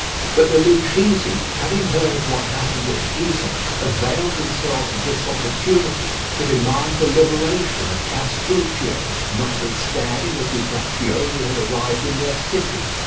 But the Lucchese, having heard of what had happened at Pisa, availed themselves of this opportunity to demand the liberation of Castruccio, notwithstanding that Uguccione had arrived in their city.